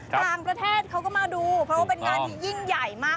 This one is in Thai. ต่างประเทศเขาก็มาดูเพราะว่าเป็นงานที่ยิ่งใหญ่มาก